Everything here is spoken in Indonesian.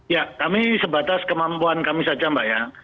ya kami sebatas kemampuan kami saja mbak ya